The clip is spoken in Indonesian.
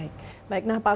itu cita cita besarnya